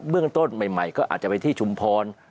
เรื่องต้นใหม่ก็อาจจะไปที่ชุมพร